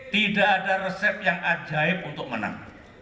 tidak ada resep yang ajaib untuk menang